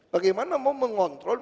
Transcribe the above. bagaimana mau mengontrol